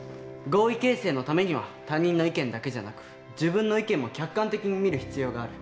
合意形成のためには他人の意見だけじゃなく自分の意見も客観的に見る必要がある。